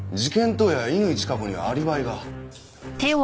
当夜乾チカ子にはアリバイが。